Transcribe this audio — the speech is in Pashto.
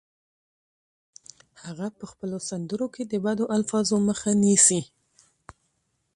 هغه په خپلو سندرو کې د بدو الفاظو مخه نیسي